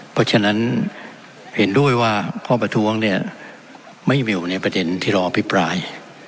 เพราะฉะนั้นเห็นด้วยว่าข้อประท้วงเนี่ยไม่มีอยู่ในประเด็นที่เราอภิปราย